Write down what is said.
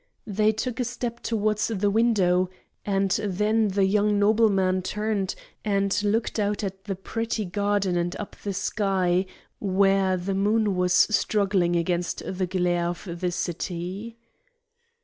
They took a step towards the window, and then the young nobleman turned and looked out at the pretty garden and up at the sky, where the moon was struggling against the glare of the city.